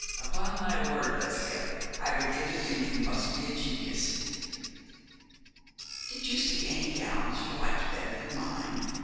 'Upon my word, Lesbia, I begin to think you must be a genius.' 'Did you see any gowns you liked better than mine?'